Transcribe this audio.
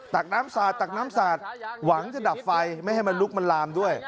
ตักน้ำสาดตักน้ำสาดหวังจะดับไฟไม่ให้มันลุกมันลามด้วย